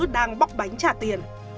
đang bóc bánh trả tiền